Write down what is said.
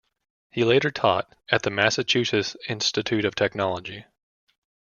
He later taught at the Massachusetts Institute of Technology.